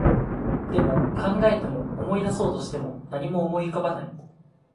でも、考えても、思い出そうとしても、何も思い浮かばない